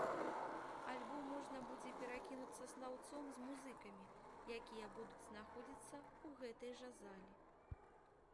Альбо можна будзе перакінуцца слаўцом з музыкамі, якія будуць знаходзіцца ў гэтай жа залі.